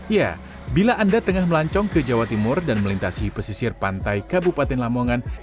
ya bila anda tengah melancong ke jawa timur dan melintasi pesisir pantai kabupaten lamongan